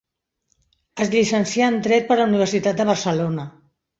Es llicencià en dret per la Universitat de Barcelona.